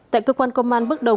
tại cơ quan công an bức đồng